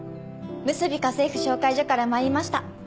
むすび家政婦紹介所から参りました矢口です。